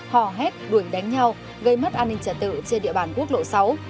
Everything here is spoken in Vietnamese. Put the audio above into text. hò hét đuổi đánh nhau gây mất an ninh trả tự trên địa bàn quốc lộ sáu